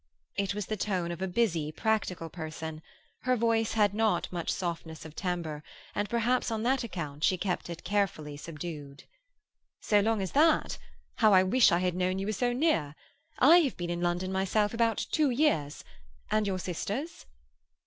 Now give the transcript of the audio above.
It was the tone of a busy, practical person. Her voice had not much softness of timbre, and perhaps on that account she kept it carefully subdued. "So long as that? How I wish I had known you were so near! I have been in London myself about two years. And your sisters?"